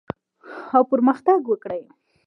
او پرمختګ وکړي.